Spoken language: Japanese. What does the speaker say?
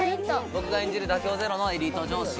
僕が演じる妥協ゼロのエリート上司が。